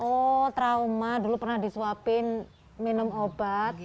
oh trauma dulu pernah disuapin minum obat